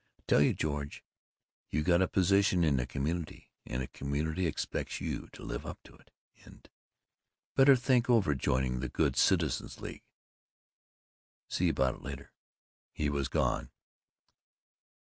I tell you, George, you got a position in the community, and the community expects you to live up to it. And Better think over joining the Good Citizens' League. See you about it later." He was gone.